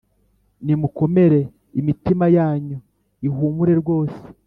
Nimukomere imitima yanyu ihumure rwose